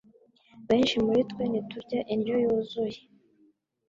Benshi muritwe ntiturya indyo yuzuye